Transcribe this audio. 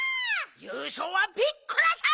ゆうしょうはピッコラさん！